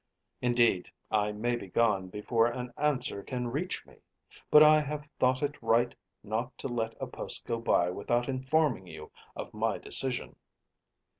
Indeed, I may be gone before an answer can reach me. But I have thought it right not to let a post go by without informing you of my decision.